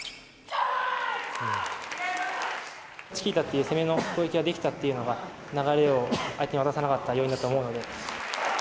チキータっていう、攻めの攻撃ができたっていうのが、流れを相手に渡さなかった要因だと思うので。